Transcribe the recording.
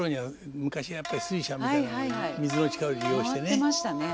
回ってましたね。